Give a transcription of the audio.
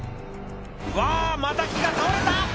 うわまた木が倒れた！